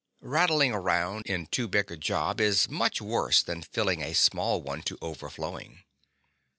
Rattling around in too big a job is much worse than filling a small one to overflowing.